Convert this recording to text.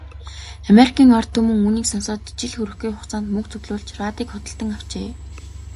Америкийн ард түмэн үүнийг сонсоод жил хүрэхгүй хугацаанд мөнгө цуглуулж, радийг худалдан авчээ.